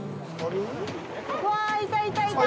うわあ、いたいたいた。